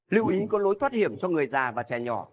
lưu ý có lối thoát hiểm cho người già và trẻ nhỏ